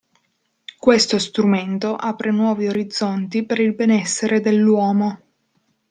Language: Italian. Questo strumento apre nuovi orizzonti per il benessere dell'uomo.